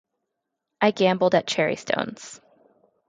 I gambled at cherry stones.